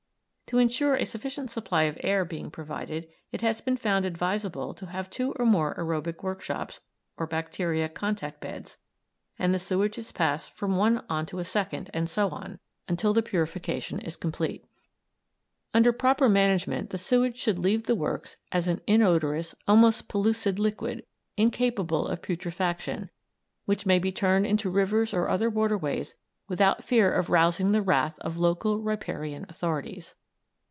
To ensure a sufficient supply of air being provided, it has been found advisable to have two or more aërobic workshops or bacteria contact beds, and the sewage is passed from one on to a second, and so on, until the purification is complete. Under proper management the sewage should leave the works as an inodorous, almost pellucid liquid, incapable of putrefaction, which may be turned into rivers or other waterways without fear of rousing the wrath of local riparian authorities.